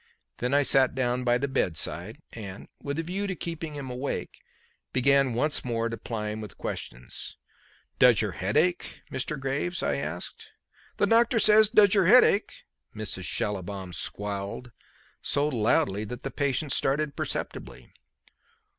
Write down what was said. Then I sat down by the bedside, and, with a view to keeping him awake, began once more to ply him with questions. "Does your head ache, Mr. Graves?" I asked. "The doctor says 'does your head ache?'" Mrs. Schallibaum squalled, so loudly that the patient started perceptibly.